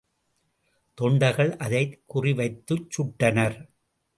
தொண்டர்கள் அதைக் குறிவைத்துச்சுட்டனர்.